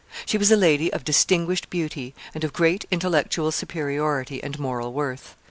She was a lady of distinguished beauty, and of great intellectual superiority and moral worth.